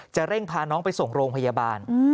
เร่งพาน้องไปส่งโรงพยาบาล